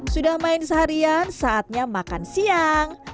sudah main seharian saatnya makan siang